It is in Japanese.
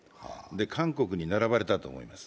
韓国に並ばれたと思います。